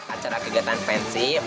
acara kegiatan pensip